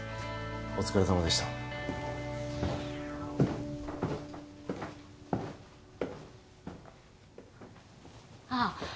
お疲れさまでしたあっ